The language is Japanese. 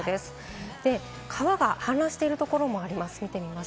川が氾濫しているところもあります。